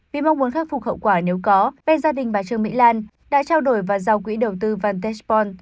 vì mong muốn khắc phục hậu quả nếu có bên gia đình và chương mỹ lan đã trao đổi và giao quỹ đầu tư vantage pond